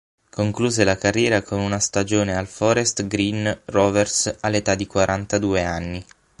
Concluse la carriera con una stagione al Forest Green Rovers, all'età di quarantadue anni.